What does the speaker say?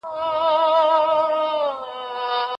که تعلیم تمرین ولري، مهارت نه کمېږي.